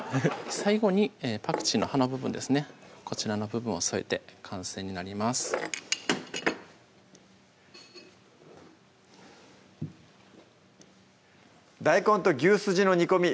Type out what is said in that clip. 最後にパクチーの葉の部分ですねこちらの部分を添えて完成になります「大根と牛すじの煮込み」